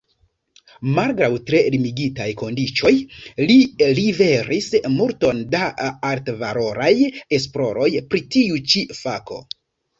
Malgraŭ tre limigitaj kondiĉoj li liveris multon da altvaloraj esploroj pri tiu ĉi fako.